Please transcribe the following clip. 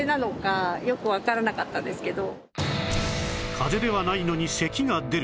かぜではないのに咳が出る